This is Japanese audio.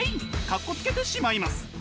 カッコつけてしまいます。